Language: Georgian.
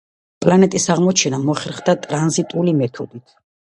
პლანეტის აღმოჩენა მოხერხდა ტრანზიტული მეთოდით.